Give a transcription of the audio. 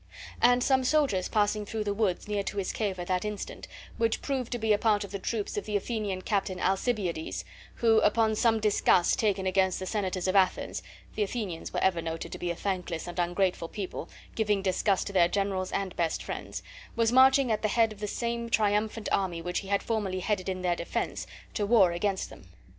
And some soldiers passing through the woods near to his cave at that instant, which proved to be a part of the troops of the Athenian captain Alcibiades, who, upon some disgust taken against the senators of Athens (the Athenians were ever noted to be a thankless and ungrateful people, giving disgust to their generals and best friends), was marching at the head of the same triumphant army which he had formerly headed in their defense, to war against them.